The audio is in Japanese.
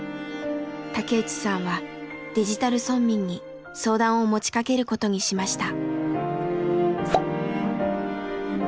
竹内さんはデジタル村民に相談を持ちかけることにしました。